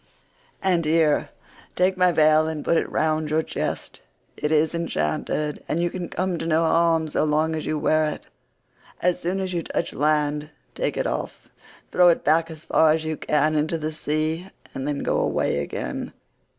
And here, take my veil and put it round your chest; it is enchanted, and you can come to no harm so long as you wear it. As soon as you touch land take it off, throw it back as far as you can into the sea, and then go away again."